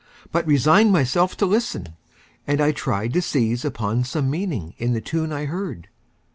but resigned Myself to listen, and I tried to seize Upon some meaning in the tune I heard.